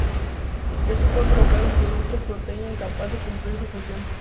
Esto puede provocar un producto proteico incapaz de cumplir su función.